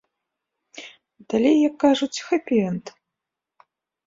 Далей, як кажуць, хэпі-энд.